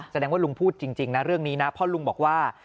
แสดงว่าลุงพูดจริงนะเรื่องนี้นะเพราะลุงบอกว่า